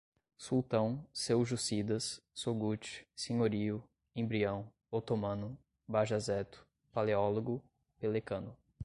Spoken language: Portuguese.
Sultão, seljúcidas, Sogut, senhorio, embrião, otomano, Bajazeto, Paleólogo, Pelecano